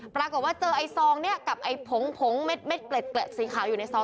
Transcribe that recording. ปรากฏว่าเจอไอ้ซองเนี่ยกับไอ้ผงผงเม็ดเกล็ดสีขาวอยู่ในซอง